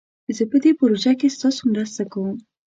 زه په دي پروژه کښي ستاسو مرسته کووم